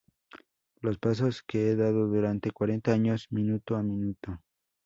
Los pasos que he dado durante cuarenta años, minuto a minuto.